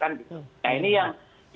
nah ini yang jadi bahan